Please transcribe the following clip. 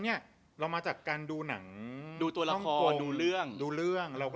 เนี่ยเรามาจากการดูหนังดูตัวละครดูเรื่องดูเรื่องเราก็